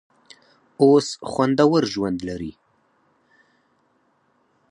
اوس خوندور ژوند لري.